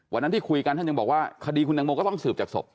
วันนั้นที่คุยกันท่านยังบอกว่าคดีคุณตังโมก็ต้องสืบจากศพ